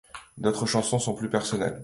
D'autres chansons sont plus personnelles.